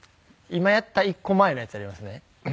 今やった一個前のやつやりますね。